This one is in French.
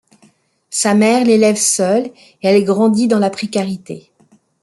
Sa mère l'élève seule et elle grandit dans la précarité.